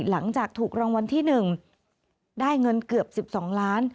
หลังจากถูกรางวัลที่๑ได้เงินเกือบ๑๒ล้าน